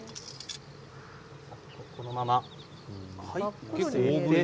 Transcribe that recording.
このまま。